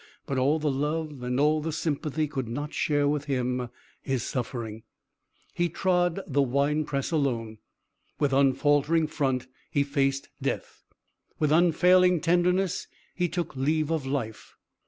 But all the love and all the sympathy could not share with him his suffering. He trod the wine press alone. With unfaltering front he faced death. With unfailing tenderness he took leave of life.